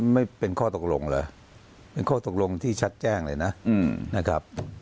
ไม่เป็นข้อตกลงเหรอเป็นข้อตกลงที่ชัดแจ้งเลยนะครับ